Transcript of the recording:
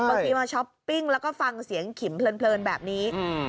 บางทีมาช้อปปิ้งแล้วก็ฟังเสียงขิมเพลินแบบนี้